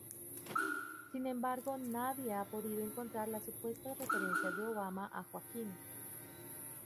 Sin embargo, nadie ha podido encontrar las supuestas referencias de Obama a Joaquín.